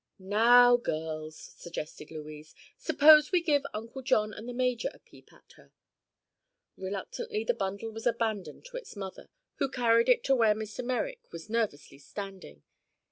"Now, girls," suggested Louise, "suppose we give Uncle John and the major a peep at her." Reluctantly the bundle was abandoned to its mother, who carried it to where Mr. Merrick was nervously standing.